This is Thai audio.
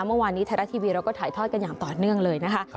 เมื่อวานนี้ไทยรัฐทีวีเราก็ถ่ายทอดกันอย่างต่อเนื่องเลยนะคะ